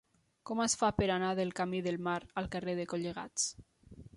Com es fa per anar del camí del Mar al carrer de Collegats?